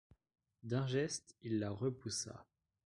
D’un geste, il la repoussa.